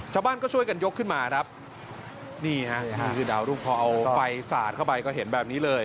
ชาวบ้านก็ช่วยกันยกขึ้นมาครับนี่ฮะนี่คือดาวรุ่งพอเอาไฟสาดเข้าไปก็เห็นแบบนี้เลย